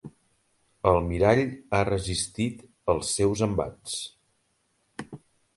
El mirall ha resistit el seus embats.